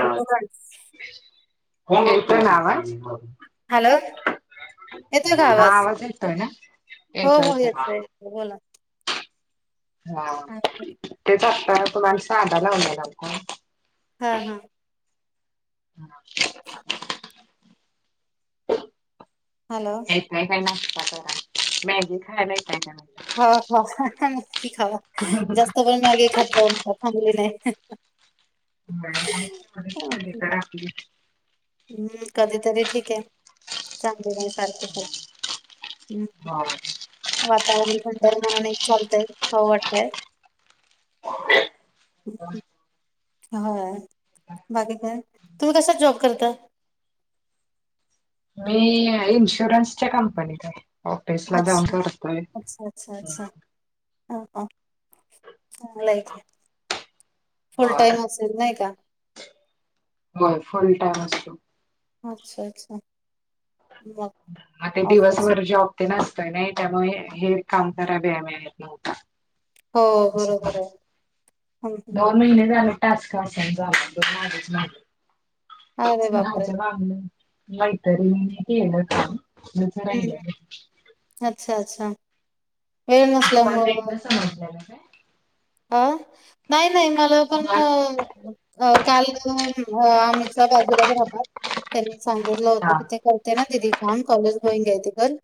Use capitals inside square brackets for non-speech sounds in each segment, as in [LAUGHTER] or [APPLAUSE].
Hello hello. येतोय का हा आवाज? येतोय ना? हो-हो येतोय. बोला. हा तेच आता मी तुम्हाला साधा लावलेला कॉल. हा हा. [INAUDIBLE] हॅलो. येताय का? मॅगी खायला येताय का? खावा-खावा नक्की खावा. जास्त पण मॅगी खात जाऊ नका चांगल नाही. [UNINTELLIGIBLE] हम्म. कधी तरी ठीक आहे. चांगली नाही सारखे-सारखे हम्. वातावरण थंडय, म्हणून एक चालतय. खाऊं वाटतय. [INAUDIBLE] ह, हं. होय. बाकी काय? तुम्ही कसला जॉब करता? मी इन्शुरन्सच्या कंपनीतय. अच्छा, अच्छा. अच्छा, अच्छा. ह, ह. चांगलाय की. फुल टाईम असेल. नाही का? होय. फुल टाइम असतो. अच्छा, अच्छा. मग आ ते ऑफिस दिवसभर जॉब तेन असतोय ना. त्याच्यामुळे हे काम कराय, वेळ मिळत नव्हता. हो, असं झालं. बरोबराय. दोन महिने झाले टास्क असाइन झाले. पण कामच माघय. अरे बापरे! आमच्या मामिन, मैतरनीने केलं काम. हम्. राहिलेलं अच्छा, अच्छा. वेळ नसल्यामुळ [UNINTELLIGIBLE] ल्याला काय? अ, नाही, नाही. मला पण तुम्हाला अ काल आमच्या बाजूलाच राहतात. त्यांनी सांगितलं होतं हा कि, ते करतात. ते ना दिदी काम कॉलेज गोइंगय, ते कर.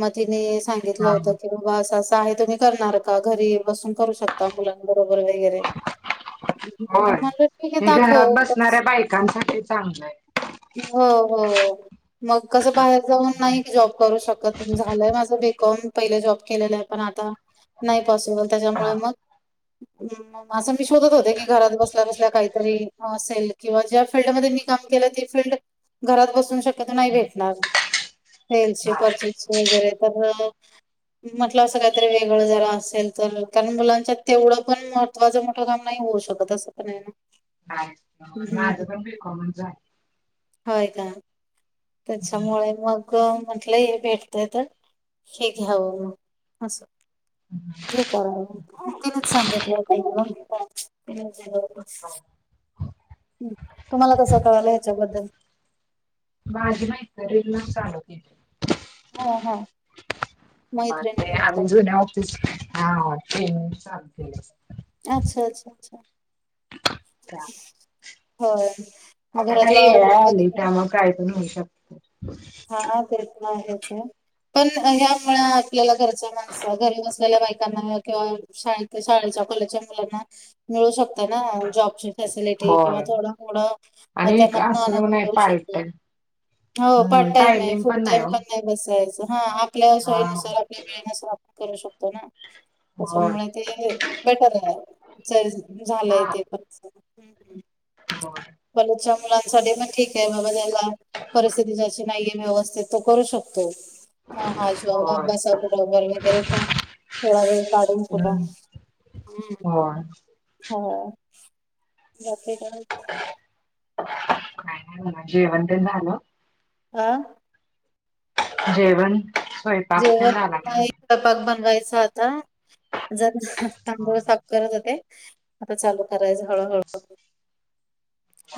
मग तिने सांगितलं हा होत कि बा असं- असं आहे. तुम्ही करणार का? घरी बसून करू शकता. मुलांबरोबर वगैरे. हम्. मी होय म्हंणल ठीकय. हे घरात दाखव. कस बसणाऱ्या बायकांसाठी चांगलं आहे हो, हो, हो. मग कसं बाहेर जाऊन, नाही जॉब करू शकत. झालंय माझं बी कॉम. पहिले जॉब केलेलाय. पण आता नाही पॉसिबल. हा त्याज्यामुळे मग म असं मी शोधत होते की, घरात बसल्या- बसल्या काहीतरी असेल. किंवा ज्या फिल्डमध्ये मी काम केलं, ती फिल्ड. घरात बसून शक्यतो नाही भेटणार. सेलची नाही परचेस वगैरे. तर म्हटलं असं काहीतरी, वेगळं जरा असेल तर. कारण मला तेवढं पण महत्त्वाचं, मोठं काम नाही होऊ शकत. असं पणय ना. [UNINTELLIGIBLE] हं, माझं पण बी कॉमच झालंय. होय का? झालं त्याच्यामुळे मग क म्हटलं हे भेटतय तर, हे घ्यावं मग. असं. हे करावं. तिनच सांगितलं होतं. [UNINTELLIGIBLE] ह्. तुम्हाला कसं कळालं? ह्याच्याबद्दल. माझी मैतरीण चालू केलं. हा हा ह मैत्रिणी ते, आम्ही मिळतात जुन्या हा. तिनं चालू केलं. अच्छा, अच्छा, अच्छा. त्या होय. मग आता घरातलं ए आय आवरून आली. वगैरे त्यामुळं, काय पण होऊ शकतय. हा, ते तर आहेचय. पण ह्यामुळे आपल्याला घरची माणसं. घरी नसलेल्या बायकांमूळ किंवा शाळेत, शाळेच्या, कॉलेजच्या मुलांना मिळू शकता ना. जॉबची फॅसिलिटी किंवा होय थोडं- थोडं आणि त्यांना पण असं अनुभव नाही येऊ पार्ट शकतो. टाइम हो, हम्म पार्ट टाईमय. टायमिंग फुल टाईम हो. पण नाही. बसायचं. हा. आपल्या हा सोयीनुसार, आपल्या वेळेनुसार, आपण करू शकतो ना. होय. त्याच्यामुळे ते बेटरय. झालंय ते पण. हम्, हम्. हो. कॉलेजच्या मुलांसाठी म ठीक आहे बाबा ह्याला परिस्थिती ज्याची नाहीये व्यवस्थित तो करू शकतो. हा हा, जॉब होय अभ्यासा बरोबर वगैरे पण थोडा वेळ काढून सुद्धा हम्म होय. होय,, बाकी काय. काय नाही बघा जेवण तेन झालं आ जेवण स्वयंपाक पण झालाय स्वयपाक बनवायचा आता,, जरा तांदूळच साफ करत होते. आता चालू करायचं हळूहळू,,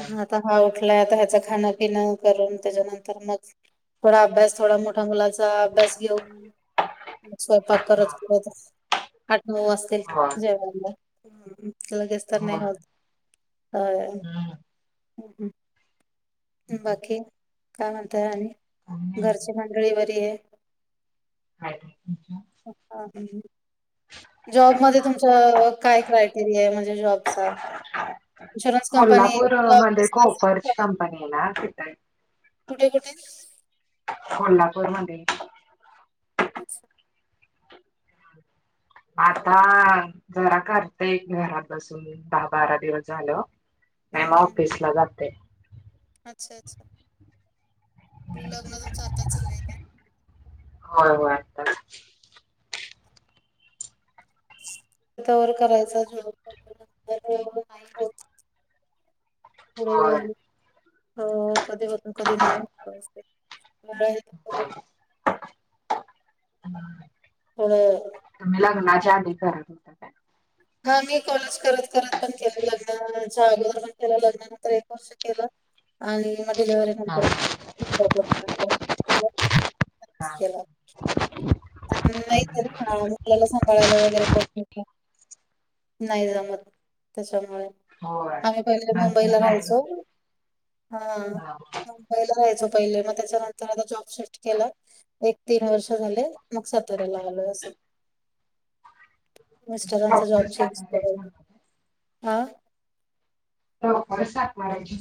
हा आता हा उठलाय आता ह्याच खानं-पिनं करून त्याच्या नंतर मग थोडा अभ्यास थोडा मोठा मुलाचा अभ्यास घेऊ, स्वयंपाक करत हा करत आठ नऊ वाजत तय होय जेवायला, लगेच तर नाही होय होत,, होय. हम्म बाकी काय म्हणताय आणि? काय नाही बघा. घरची मंडळी बरी आहे. हायत व्यवस्थित. हां हां. जॉबमध्ये तुमचं काय क्रायटेरिया आहे म्हणजे जॉबचा.? इन्शुरन्स कंपनी कोल्हापूर मध्ये कोपरची [UNINTELLIGIBLE] कंपनी आहे ना तिथं कुठे-कुठे. कोल्हापूरमध्ये. पाच. तिथे. आता, जरा काढतय घरात बसून दहा बारा दिवस झालं. नाही म ऑफिसला जातय. अच्छा-अच्छा. लग्न तुमचं आत्ताच झालंय काय? होय-होय आताच. तवर करायचा [UNINTELLIGIBLE] पुढे होय. वर,, कधी होत कधी नाही होत असं असतय. [UNINTELLIGIBLE] हां. फळं तुम्ही लग्नाच्या आधी करा हा मी कॉलेज करत करत पण केलं, लग्नाच्या अगोदर पण केलं, लग्नानंतर एक वर्ष केलं आणि म हा. डिलेवरीनंतर [UNINTELLIGIBLE] हा [UNINTELLIGIBLE] नाईतर मुलाला सांभाळायला वगैरे कोण थांबणार. नाही जमत त्याच्यामुळे. होय आम्ही पहिले नंतर मुंबईला नाही. राहायचो,, हा. पहिल राहायचं पहिले,,, मग त्याच्यानंतर आता जॉब शिफ्ट केला, एक तीन वर्ष झाले. मग सातऱ्याला आलोय असं,, मिस्टरांचा जॉब प्रॉपर चेंज [UNINTELLIGIBLE] हां. हो खरंच सपवायची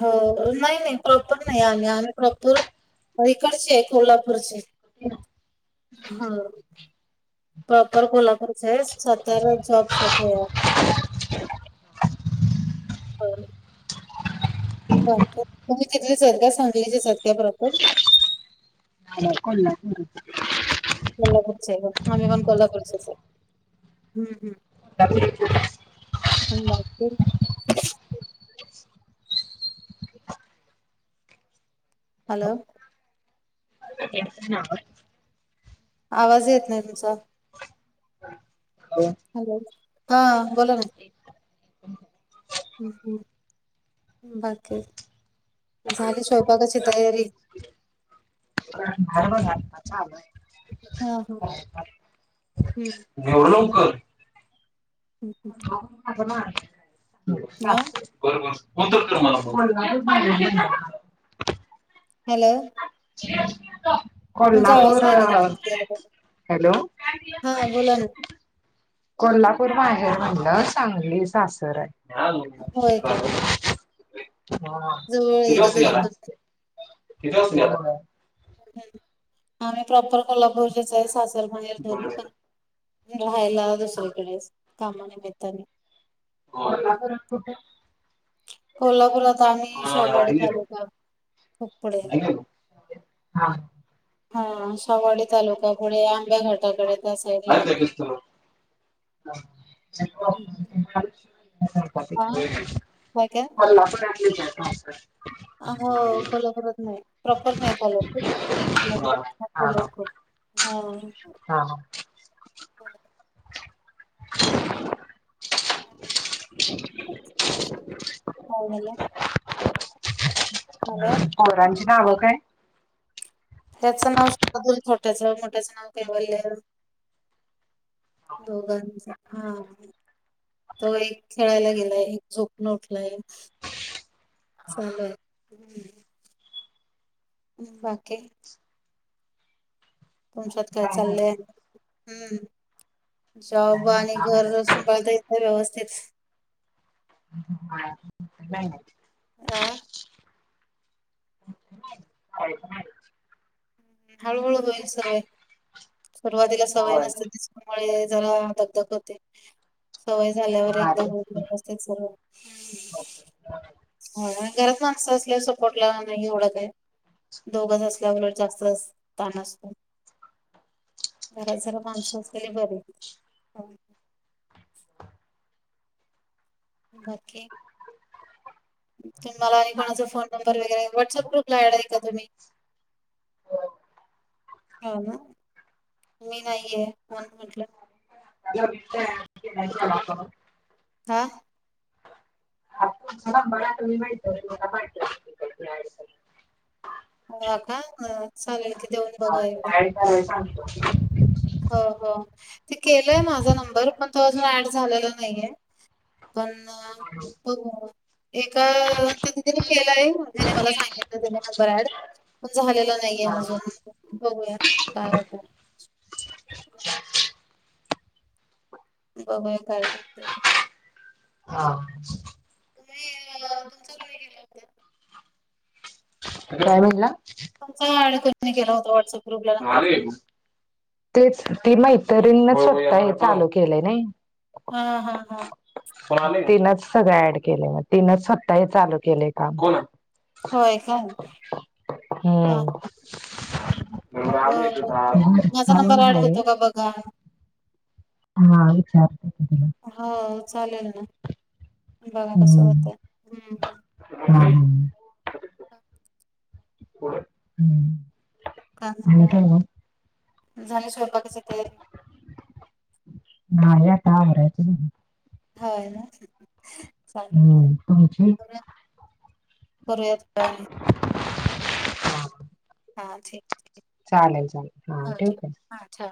हो नाही-नाही प्रॉपर नाही आम्ही, आम्ही प्रॉपर इकडचे हे कोल्हापूरचे. [INAUDIBLE] हव. प्रॉपर कोल्हापूरचे हे सातारा जॉब साठी आहे. [UNINTELLIGIBLE] प्रॉपर. तुम्ही तिथलेच हेत का, सांगलीचेच हेत का प्रॉपर? नाही कोल्हापूर. कोल्हापूरचेत व्हय. आम्ही पण कोल्हापूरचेच हेत. हम्म-हम्म. [UNINTELLIGIBLE] [UNINTELLIGIBLE] हॅलो. [UNINTELLIGIBLE] आवाज येत नाही तुमचा? हॅलो. हॅलो. हा बोला ना. हम्म- हम्म बाकी. झाली स्वयंपाकाची तयारी. [UNINTELLIGIBLE] हं- हं, हे एवढ्या लवकर? ह्म ह्म. अगं माय, [INAUDIBLE] अ साप हे. बरं मग, फोन तर कर मला मग. हॅलो. तुमचा आवाज कोल्हापूर नाही येत अं, हॅलो व्हय. कोल्हापूर माहेर म्हणलं, सांगली सासर हाय. होय का हा. जवळ किती आहे का वाजतीला तरी आला, पण किती वाजतीला आला? आम्ही प्रॉपर कोल्हापूरचेच हाय. सासर, माहेर दोन्ही बर बर. पण राहायला होय. दुसरीकडे आहेस, कामा निमित्ताने कोल्हापुरात कुठं? कोल्हापुरात आम्ही शाहुवाडी आहे ना. तालुका कुपढे आहे ना. हा. हा शाहुवाडी तालुका पुढे आंब्या घाटाकडे त्या साईडला काय आहे करतीस तु? [UNINTELLIGIBLE] ट्राफिक हा ट्रेन हे. काय काय कोल्हापुरातलेच हेत पाचगाव. हो, कोल्हापुरातनं हे प्रॉपर नाही कोल्हापूर हा हा कोल्हापुराच्या [UNINTELLIGIBLE] होव. हा, हां. [INAUDIBLE] [UNINTELLIGIBLE] काय झालं? हॅलो. आरवांची नावं काय? ह्याचं नाव शार्दुल छोट्याचं, मोठ्याचं नाव कैवल्य. दोघांच हा. तो एक खेळायला गेलाय, एक झोपून उठलाय. चालल, हम्म. बाकी. तुमच्यात काय चाललंय आणि हम् काय जॉब नाही आणि घर आवडत सांभाळता येत य, व्यवस्थित. [UNINTELLIGIBLE] नाही अं.. [UNINTELLIGIBLE] हळूहळू होईल सवय. सुरवातीला सवय होय नसते तेच्.. च्यामुळे जरा दगदग होते. सवय झाल्यावर हा एकदा तेच होऊन की. जा ते, सर्व हम्म. होय, घरात माणसं असल्यावर सपोर्टला नाही एवढं काय. दोघच असल्यावर उलट जास्तच ताण असतो. घरात जरा माणसं असलेले बरे. बाकी, तुम्हाला आणि कोणाचा फोन नंबर वैगरे... व्हॉट्सअँप ग्रुपला ॲड आहे का तुम्ही? हो ना. मी नाहीये म्हणून म्हटलं. [UNINTELLIGIBLE] हा [UNINTELLIGIBLE] हो का चालेल की देऊन हा बघा एकदा. काही कराया सांगतो. हो हो.. ते केलंय माझा नंबर पण तो अजून ॲड झालेला नाहीेये. पण हॅलो हो हो एक तिथं तिने केलंय तिने मला सांगितलं नंबर ऍड झालेला नाहीये अजून. हा बघूया, काय होतंय? बघूया काय होतंय? हा तुम्ही तुमचं [UNINTELLIGIBLE] केल्या होत्या. काय म्हणला.? तुमचा कोणी केला होता.?? व्हॉट्सअप ग्रुपला नंबर. तेच ती मैत्रींनीच स्वतः हे चालू केलंय नही हा हा हा तिनंच सगळं ऍड केलंय मग, तिनच सवत्ता हे चालू केलंय काम. होय का. ह हम्म. मग माझा विचारून नंबर आहे होतो का? बघा हा विचारते की तिला. हो, चालेल ना. बघा कसं होतंय. हम्म हम् हम्म ह पुढे हम्म का आणि काय [UNINTELLIGIBLE] मग झाली स्वयंपाकाची तयारी. नाही आता आवरायचं बघू ह ना चालेल. हम्म तुमची? करूयात पण. हा ठीक. चालेल चालेल हा ठेवू का. अच्छा.